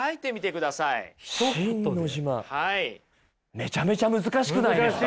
めちゃめちゃ難しくないですか！